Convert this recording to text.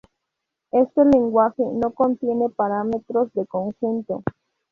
Este lenguaje no contiene parámetros de conjunto.